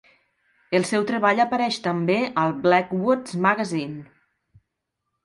El seu treball apareix també al "Blackwood's Magazine".